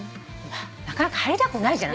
なかなか入りたくないじゃん？